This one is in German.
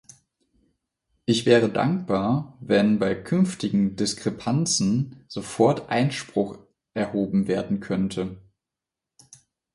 Ich wäre dankbar, wenn bei künftigen Diskrepanzen sofort Einspruch erhoben werden könnte.